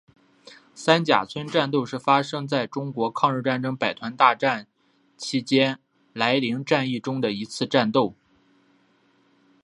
三甲村战斗是发生在中国抗日战争百团大战期间涞灵战役中的一次战斗。